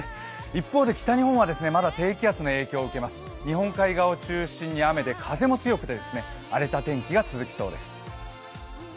一方で北日本はまだ低気圧の影響を受けます、日本海側を中心に風も強くて荒れた天気が続きそうです。